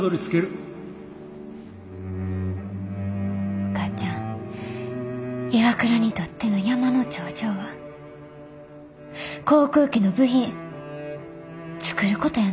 お母ちゃんＩＷＡＫＵＲＡにとっての山の頂上は航空機の部品作ることやないの？